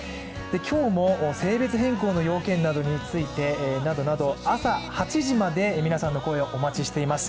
今日も性別変更の要件などについてなどなど、朝８時まで皆さんの声をお待ちしています。